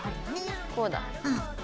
こうだ！